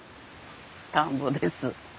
田んぼです。